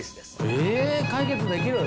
解決できる？